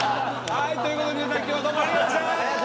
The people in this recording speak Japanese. はいということで皆さん今日はどうもありがとうございました。